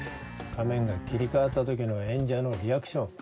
画面が切り替わったときの演者のリアクション。